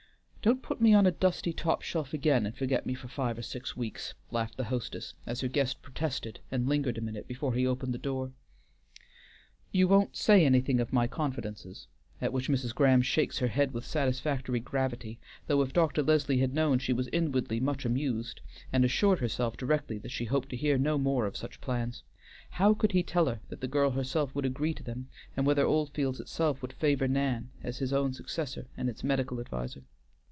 Don't put me on a dusty top shelf again and forget me for five or six weeks," laughed the hostess, as her guest protested and lingered a minute still before he opened the door. "You won't say anything of my confidences?" at which Mrs. Graham shakes her head with satisfactory gravity, though if Doctor Leslie had known she was inwardly much amused, and assured herself directly that she hoped to hear no more of such plans; how could he tell that the girl herself would agree to them, and whether Oldfields itself would favor Nan as his own successor and its medical adviser?